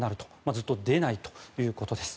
ずっと出ないということです。